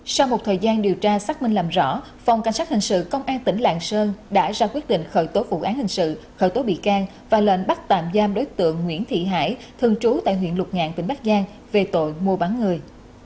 sau một thời gian điều tra xác minh làm rõ phòng cảnh sát hình sự công an tỉnh lạng sơn đã ra quyết định khởi tố vụ án hình sự khởi tố bị can và lệnh bắt tạm giam đối tượng nguyễn thị hải thường trú tại huyện lục ngạn tỉnh bắc giang về tội mua bán người